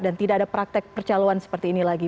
dan tidak ada praktek percaluan seperti ini lagi